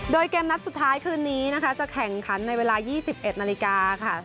โดยเกมนัดสุดท้ายคืนนี้นะคะจะแข่งขันในเวลา๒๑นาฬิกาค่ะ